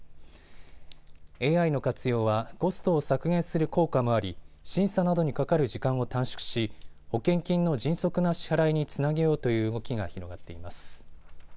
ＡＩの活用はコストを削減する効果もあり審査などにかかる時間を短縮し保険金の迅速な支払いにつなげようという動きが広がっています。